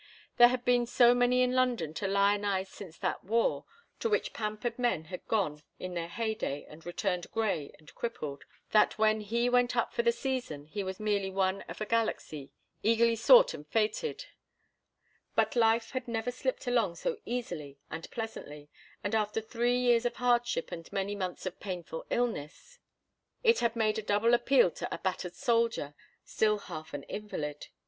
There had been so many in London to lionize since that war, to which pampered men had gone in their heydey and returned gray and crippled, that when he went up for the season he was merely one of a galaxy eagerly sought and fêted; but life had never slipped along so easily and pleasantly, and after three years of hardship and many months of painful illness, it had made a double appeal to a battered soldier, still half an invalid.